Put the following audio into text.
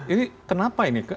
ini kenapa ini